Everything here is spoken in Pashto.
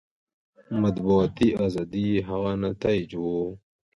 مطبوعاتي ازادي یې هغه نتایج وو.